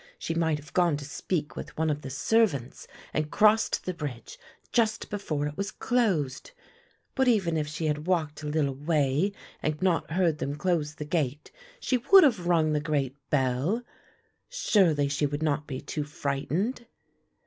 She might have gone to speak with one of the servants and crossed the bridge just before it was closed. But even if she had walked a little way and not heard them close the gate, she would have rung the great bell. Surely she would not be too frightened."